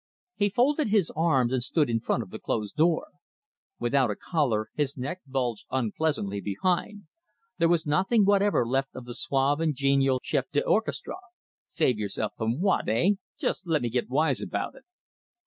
He folded his arms and stood in front of the closed door. Without a collar, his neck bulged unpleasantly behind. There was nothing whatever left of the suave and genial chef d'orchestra. "Save myself from what, eh? Just let me get wise about it."